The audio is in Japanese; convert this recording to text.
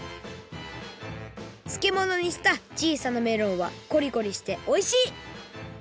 つけものにした小さなメロンはコリコリしておいしい！